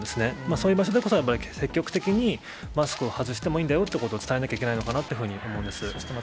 そういう場所でこそ積極的にマスクを外してもいいんだよってことを伝えなきゃいけないのかなっていうふうに思います。